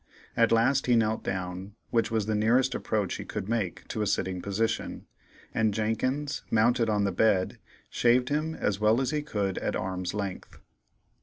At last he knelt down, which was the nearest approach he could make to a sitting position, and Jenkins, mounted on the bed, shaved him as well as he could at arm's length.